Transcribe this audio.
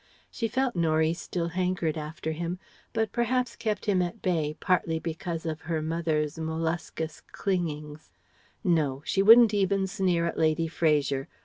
She felt Norie still hankered after him, but perhaps kept him at bay partly because of her mother's molluscous clingings No! she wouldn't even sneer at Lady Fraser.